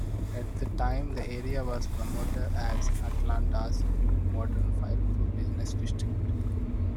At the time, the area was promoted as "Atlanta's new modern fireproof business district".